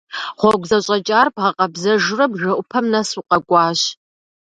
Гъуэгу зэщӀэкӀар бгъэкъэбзэжурэ, бжэӀупэм нэс укъэкӀуащ.